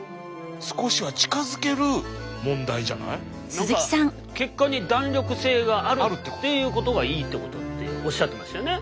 何か血管に弾力性があるっていうことがいいってことっておっしゃってましたよね？